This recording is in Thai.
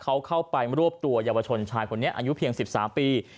เขาเข้าไปรวบตัวเยาวชนชายคนนี้อายุเพียง๑๓ปี